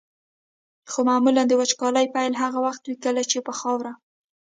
خو معمولا د وچکالۍ پیل هغه وخت وي کله چې په خاوره.